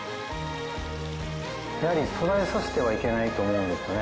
やはり途絶えさせてはいけないと思うんですよね。